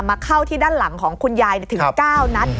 เข้าที่ด้านหลังของคุณยายถึง๙นัด